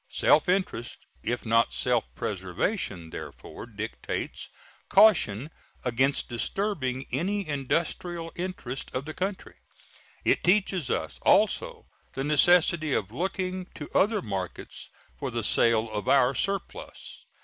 Self interest, if not self preservation, therefore dictates caution against disturbing any industrial interest of the country. It teaches us also the necessity of looking to other markets for the sale of our surplus.